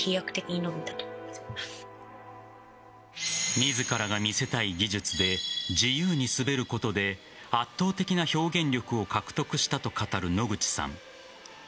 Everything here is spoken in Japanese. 自らが見せたい技術で自由に滑ることで圧倒的な表現力を獲得したと語る野口さん。